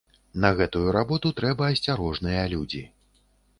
На гэтую работу трэба асцярожныя людзі.